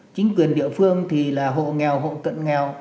chính quyền địa phương thì là hộ nghèo hộ cận nghèo